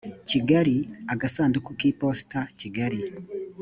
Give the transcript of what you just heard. kigali agasanduku k iposita kigali